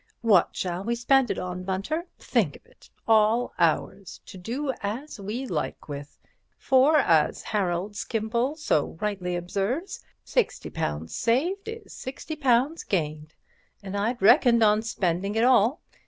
What shall we spend it on, Bunter? Think of it—all ours, to do as we like with, for as Harold Skimpole so rightly observes, £60 saved is £60 gained, and I'd reckoned on spending it all.